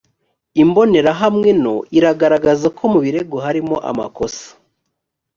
imbonerahamwe no iragaragaza ko mu birego harimo amakosa.